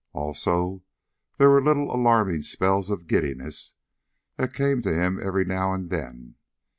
Also, there were little alarming spells of giddiness that came to him every now and then.